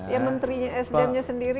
ya menterinya sdm nya sendiri